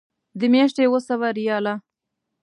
د میاشتې اوه سوه ریاله.